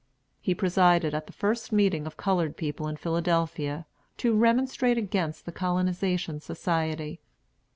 He presided at the first meeting of colored people in Philadelphia, to remonstrate against the Colonization Society.